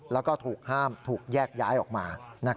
แล้วก็ถูกห้ามถูกแยกย้ายออกมา